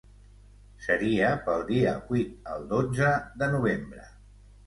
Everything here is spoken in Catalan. Seria pel dia vuit al dotze de novembre.